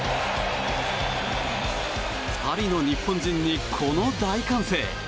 ２人の日本人に、この大歓声。